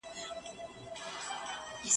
د ژوندون کلونه باد غوندي چلیږي ..